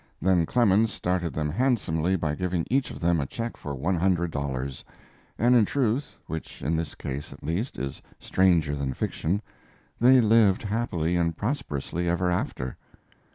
Then Clemens started them handsomely by giving each of them a check for one hundred dollars; and in truth (which in this case, at least, is stranger than fiction) they lived happily and prosperously ever after.